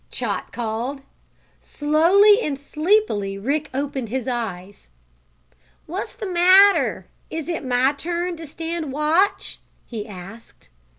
Chot called. Slowly and sleepily Rick opened his eyes. "What's the matter? Is it my turn to stand watch?" he asked.